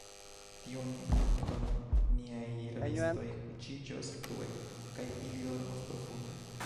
Tiun nokton, niaj rabistoj kuŝiĝos frue, kaj ili dormos profunde.